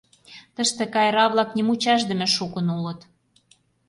Тыште кайра-влак нимучашдыме шукын улыт.